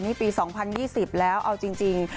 นี่ปี๒๐๒๐แล้วเอาจริง